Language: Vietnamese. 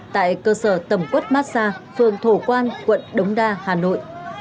tại cơ sở tầm quất massa phường thổ quang quận đống đa hà nội